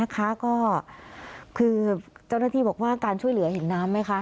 ก็คือเจ้าหน้าที่บอกว่าการช่วยเหลือเห็นน้ำไหมคะ